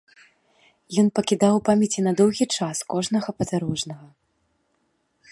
Ён пакідаў у памяці на доўгі час кожнага падарожнага.